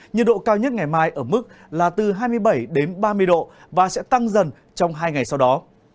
nhiệt độ cao nhất ngày mai ở mức là từ hai mươi bảy đến ba mươi độ và sẽ tăng dần trong hai ngày sau đó